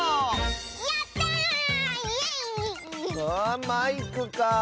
あマイクかあ。